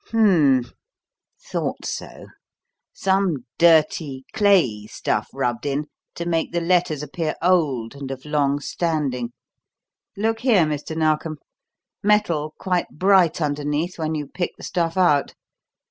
Hum m m! Thought so. Some dirty, clayey stuff rubbed in to make the letters appear old and of long standing. Look here, Mr. Narkom: metal quite bright underneath when you pick the stuff out.